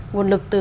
nguồn lực từ